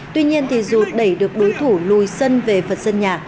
tuy nhiên thì dù đẩy được đối thủ lùi sân về phần sân nhà